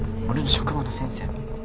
俺の職場の先生。